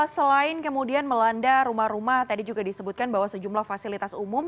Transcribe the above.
selain kemudian melanda rumah rumah tadi juga disebutkan bahwa sejumlah fasilitas umum